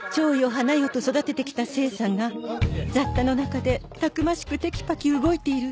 花よと育ててきた清さんが雑多の中でたくましくテキパキ動いている